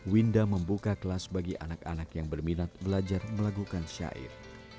winda membuka kelas bagi anak anak yang berminat belajar melakukan syair